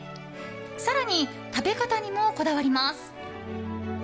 更に食べ方にもこだわります。